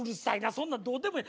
そんなんどうでもええ